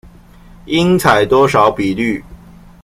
應採多少比率